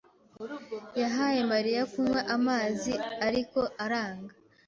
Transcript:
yahaye Mariya kunywa amazi, ariko aranga.